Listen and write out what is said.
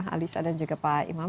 alisa dan juga pak imam